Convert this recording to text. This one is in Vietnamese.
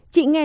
chị nghe nói